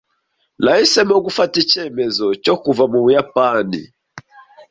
Nahisemo gufata icyemezo cyo kuva mu Buyapani.